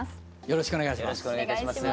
よろしくお願いします。